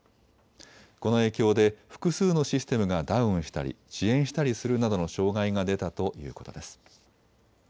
この影響で複数のシステムがダウンしたり遅延したりするなどの障害が出たということです。